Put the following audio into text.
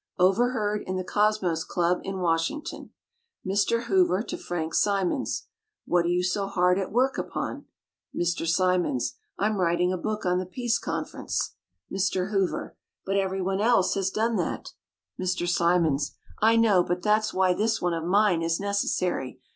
Overheard in the Cosmos Club in Washington. Mr. Hoover to Frank Simonds: "What are you so hard at work upon?" Mr. Simonds: "I'm writing a book on the Peace Conference." Mr. Hoover: "But everyone else has done that." Mr. Simonds: "I know, but that's why this one of mine is necessary.